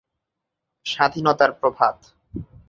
স্বাধীনতার প্রভাত।